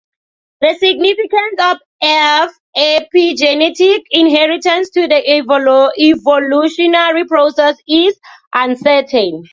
The significance of epigenetic inheritance to the evolutionary process is uncertain.